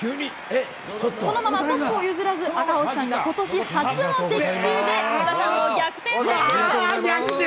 そのままトップを譲らず赤星さんがことし初の的中で、上田さんを逆転です。